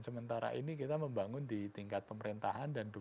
sementara ini kita membangun di tingkat pemerintahan dan dukungan